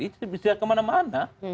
itu bisa kemana mana